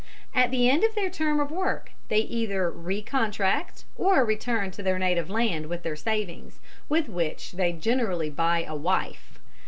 At the end of their term of work they either re contract or return to their native land with their savings, with which they generally buy a wife.